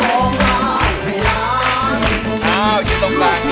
ร้องได้ให้ร้าง